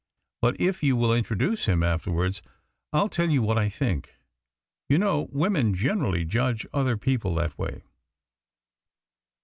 But if you will introduce him afterwards, I'll tell you what I think. You know, women generally judge other people that way."